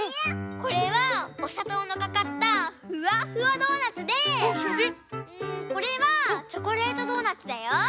これはおさとうのかかったふわふわドーナツでこれはチョコレートドーナツだよ。